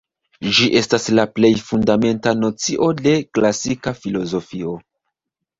Ĝi estas la plej fundamenta nocio de klasika filozofio.